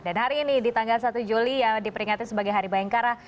dan hari ini di tanggal satu juli yang diperingati sebagai hari bayangkara